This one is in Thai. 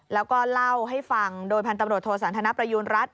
แล้วก็เล่าให้ฟังโดยพันธบรวจโทสันทนประยูณรัฐ